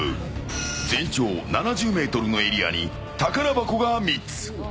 全長７０ｍのエリアに宝箱が３つ。